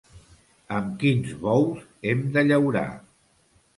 Amb quins bous hem de llaurar!